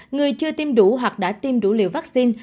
người chưa tiêm đủ hoặc đã tiêm đủ liều vaccine